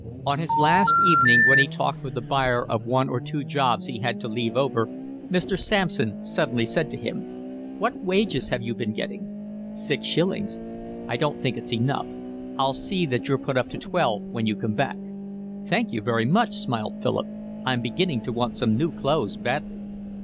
On his last evening, when he talked with the buyer of one or two jobs he had to leave over, Mr. Sampson suddenly said to him: "What wages have you been getting?" "Six shillings." "I don't think it's enough. I'll see that you're put up to twelve when you come back." "Thank you very much," smiled Philip. "I'm beginning to want some new clothes badly."